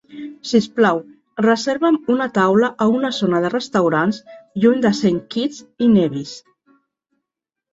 Si us plau, reserva'm una taula a una zona de restaurants lluny de Saint Kitts i Nevis.